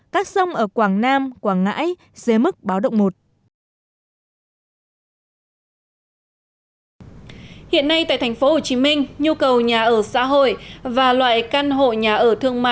các sông ở quảng nam quảng ngãi dưới mức báo động một